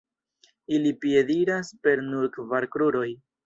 Ili piediras per nur kvar kruroj.